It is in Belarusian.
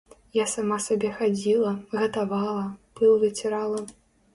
Я сама сабе хадзіла, гатавала, пыл выцірала.